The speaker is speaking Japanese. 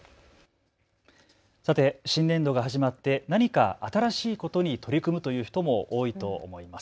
さて新年度が始まって何か新しいことに取り組むという人も多いと思います。